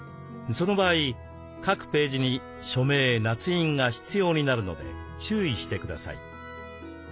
その場合各ページに署名なつ印が必要になるので注意してください。